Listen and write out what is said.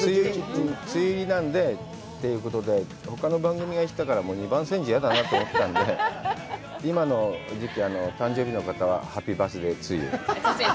梅雨入りなんでということで、ほかの番組が言ったから、二番せんじ嫌だなと思ったんで、今の時期、誕生日の方はハッピーバースデー・ツー・ユー。